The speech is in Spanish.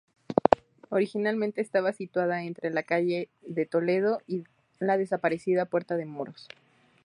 Originalmente estaba situada entre la calle de Toledo y la desaparecida Puerta de Moros.